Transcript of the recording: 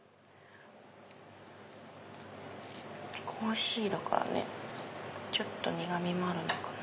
コーヒーだからねちょっと苦みもあるのかな。